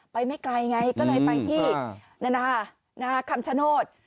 ไม่ไกลไงก็เลยไปที่คำชโนธ